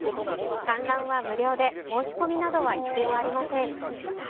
観覧は無料で申し込みなどは必要ありません。